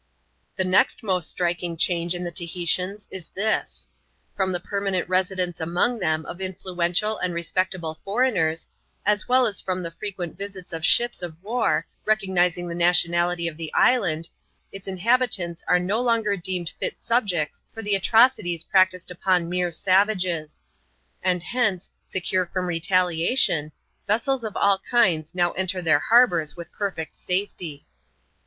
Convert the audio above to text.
The next most striking change in the Tahitians is this. From the permanent residence among them of influential and respect able foreigners, as well as from the frequent visits of ships of war, recognizing the nationality of the island, its inhabitants are Xio longer deemed fit subjects for the atrocities practsied upon mere savages ; and hence, secure from retaliation, vessels of all kinds now enter their harbours with perfect safety.